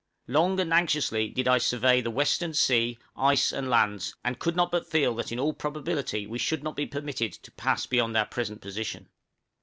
Long and anxiously did I survey the western sea, ice, and lands, and could not but feel that in all probability we should not be permitted to pass beyond our present position.